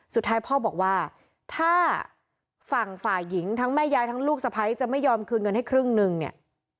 สุดท้ายพ่อบอกว่าถ้าฝั่งฝ่ายหญิงทั้งแม่ยายทั้งลูกสะพ้ายจะไม่ยอมคืนเงินให้ครึ่งนึงเนี่ย